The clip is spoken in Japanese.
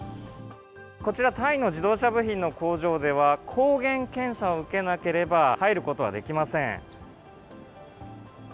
こちら、タイの自動車部品の工場では、抗原検査を受けなければ入ることはできません。